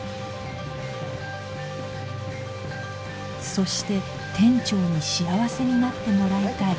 そして店長に幸せになってもらいたい深愛